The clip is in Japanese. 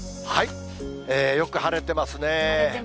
よく晴れてますね。